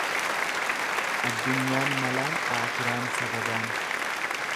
Addunyaan malaan aakiraan sagadaan.